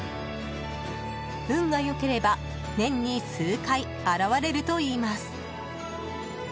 運が良ければ年に数回現れるといいます。